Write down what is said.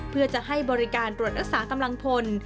เพื่อจะให้บริการตรวจรักษากำลังพล